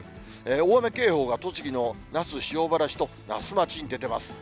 大雨警報が栃木の那須塩原市と那須町に出てます。